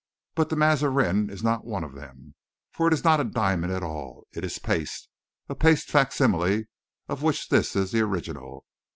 But the Mazarin is not one of them; for it is not a diamond at all; it is paste a paste facsimile of which this is the original.